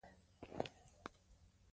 هغه د ماشومانو سره په مینه خبرې کوي.